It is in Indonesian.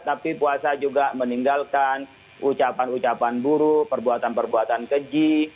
tapi puasa juga meninggalkan ucapan ucapan buruh perbuatan perbuatan keji